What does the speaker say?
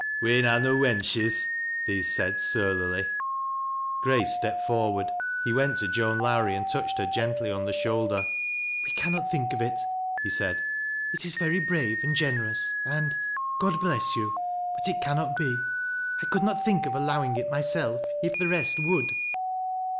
" We'n ha' no wenches," these said, surlily. Grace stepped forward. He went to Joan LoMrrie and touched her gently on the shoulder. " We cannot think of it," he said. " It is very brave and generous, and— God bless you !— but it cannot be. I could not think of allowing it myself, if the rest would.